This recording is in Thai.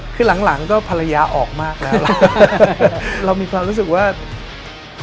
คือหลังหลังก็ภรรยาออกมากแล้วเรามีความรู้สึกว่า